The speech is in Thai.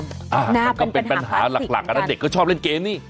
น่าเป็นปัญหาพลาสติกกันนะมันก็เป็นปัญหาหลักนะเด็กก็ชอบเล่นเกมนี่